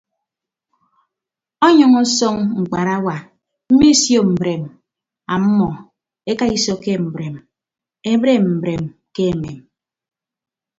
Ọnyʌñ ọsọñ mkparawa mmesio mbreem ọmmọ ekaiso ke mbreem ebre mbreem kemem.